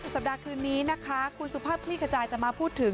สัปดาห์คืนนี้นะคะคุณสุภาพคลี่ขจายจะมาพูดถึง